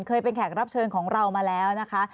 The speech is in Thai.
เคยเป็นแขกรับเชิญของเรามาแล้วนะคะ